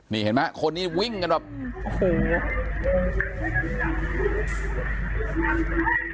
นี่เห็นไหมคนนี้วิ่งกันแบบโอ้โห